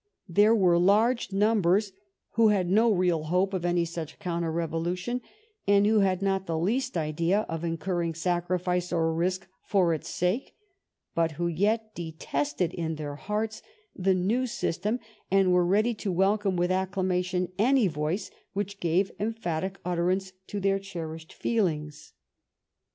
There were large numbers who had no real hope of any such counter revolution, and who had not the least idea of incurring sacrifice or risk for its sake, but who yet detested in their hearts the new sys tem, and were ready to welcome with acclamation any voice which gave emphatic utterance to their cherished feelings.